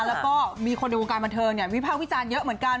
แล้วก็มีคนในวงการบันเทิงวิภาควิจารณ์เยอะเหมือนกัน